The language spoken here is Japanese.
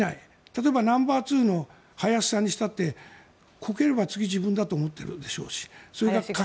例えばナンバーツーの林さんだってこければ次自分だと思っているでしょうし。